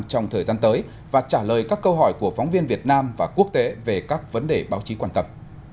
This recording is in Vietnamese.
trong thời gian tới và trả lời các câu hỏi của phóng viên việt nam và quốc tế về các vấn đề báo chí quan tâm